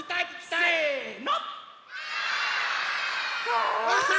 せの！